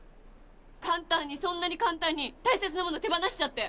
簡単にそんなに簡単に大切なもの手放しちゃって。